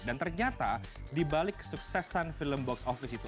dan ternyata di balik kesuksesan film box office itu